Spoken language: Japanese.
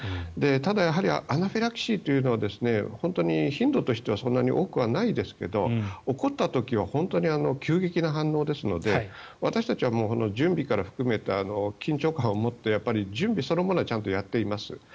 ただアナフィラキシーというのは頻度としてはそんなに多くはないですが起こった時は本当に急激な反応ですので私たちは準備から含めて緊張感を持って準備そのものをちゃんとやっています。